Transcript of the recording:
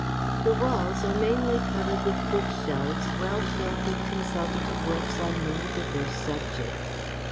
The walls are mainly covered with book shelves well filled with consultative works on many diverse subjects.